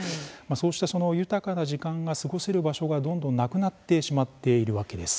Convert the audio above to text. そうした豊かな時間が過ごせる場所がどんどんなくなってしまっているわけです。